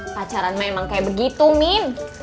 pacaranmu emang kayak begitu min